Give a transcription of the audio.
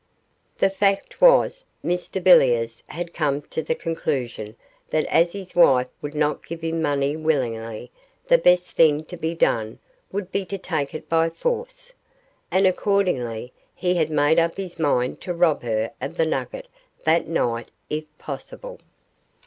The fact was, Mr Villiers had come to the conclusion that as his wife would not give him money willingly, the best thing to be done would be to take it by force, and accordingly he had made up his mind to rob her of the nugget that night if possible.